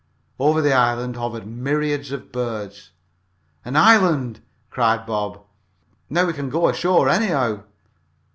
Over the island hovered myriads of birds. "An island!" cried Bob. "Now we can go ashore anyhow!"